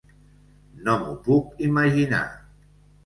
No m'ho puc imaginar.